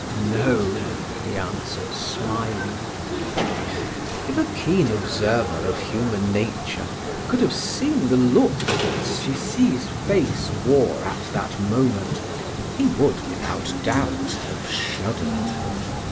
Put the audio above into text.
"No," he answered, smiling. If a keen observer of human nature could have seen the look that Sucy's face wore at that moment, he would, without doubt, have shuddered.